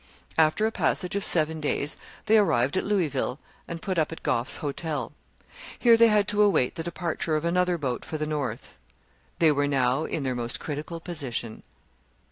After a passage of seven days they arrived at Louisville, and put up at Gough's Hotel. Here they had to await the departure of another boat for the North. They were now in their most critical position.